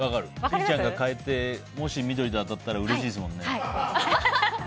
千里ちゃんが変えてもし、緑で当たったらうれしいですもんね。